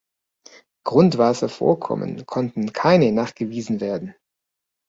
Grundwasservorkommen konnten keine nachgewiesen werden.